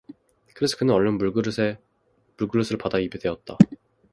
그래서 그는 얼른 물그릇을 받아 입에 대었다.